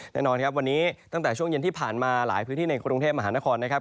แน่นอนครับวันนี้ตั้งแต่ช่วงเย็นที่ผ่านมาหลายพื้นที่ในกรุงเทพมหานครนะครับ